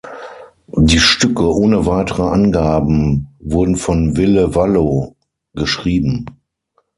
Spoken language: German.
Die Stücke ohne weitere Angaben wurden von Ville Valo geschrieben.